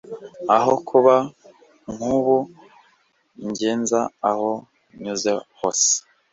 aho kuba nk'ubu ungenza aho nyuze hose